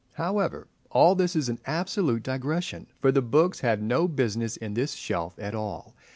However, all this is an absolute digression, for the books had no business in this shelf at all.